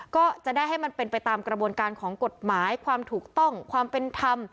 ก็จะได้ให้มันเป็นไปตามกระบวนการของกฎหมายความถูกต้องความเป็นธรรม